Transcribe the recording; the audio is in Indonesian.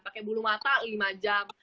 pakai bulu mata lima jam